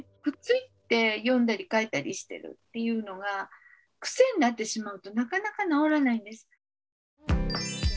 くっついて読んだり書いたりしてるっていうのが癖になってしまうとなかなか治らないんです。